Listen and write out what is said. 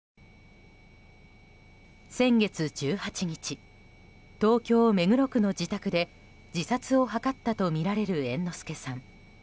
先月１８日東京・目黒区の自宅で自殺を図ったとみられる猿之助さん。